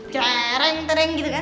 cereng tereng gitu kan